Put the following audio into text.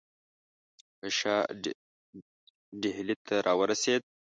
که شاه ډهلي ته را ورسېد.